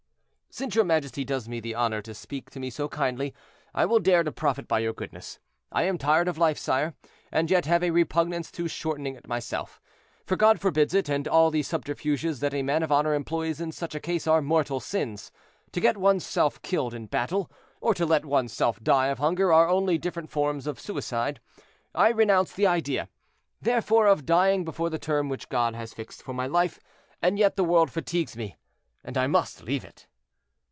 "Since your majesty does me the honor to speak to me so kindly, I will dare to profit by your goodness. I am tired of life, sire, and yet have a repugnance to shortening it myself, for God forbids it, and all the subterfuges that a man of honor employs in such a case are mortal sins. To get one's self killed in battle or to let one's self die of hunger are only different forms of suicide. I renounce the idea, therefore, of dying before the term which God has fixed for my life, and yet the world fatigues me, and I must leave it."